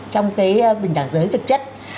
trong cái bình đẳng giới thực chất